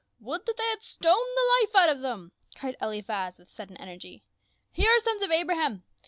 " Would that they had stoned the life out of them !" cried Eliphaz with sudden energy. " Hear, sons of Abraham